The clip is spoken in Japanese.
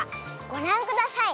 ごらんください。